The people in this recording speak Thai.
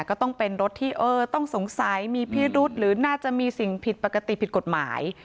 ก็ต้องเป็นรถที่ต้องสงสัยมีพิรุษหรือน่าจะมีสิ่งผิดปกติผิดกฎหมาย